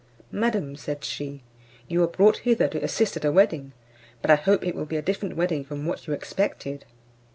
"Madam," said she, "you are brought hither to assist at a wedding; but I hope it will be a different wedding from what you expected.